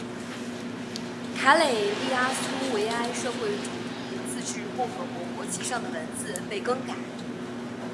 卡累利阿苏维埃社会主义自治共和国国旗上的文字被更改。